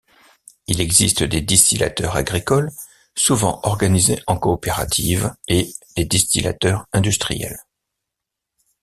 Il existe des distillateurs agricoles, souvent organisés en coopératives, et des distillateurs industriels.